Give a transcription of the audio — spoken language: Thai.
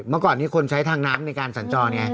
เมื่อก่อนนี้คนใช้ทางน้ำในการสัญจรไง